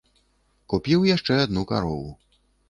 Купіў яшчэ адну карову.